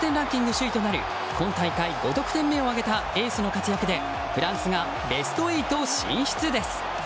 首位となる今大会５得点目を挙げたエースの活躍でフランスがベスト８進出です。